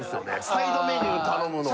サイドメニュー頼むのが。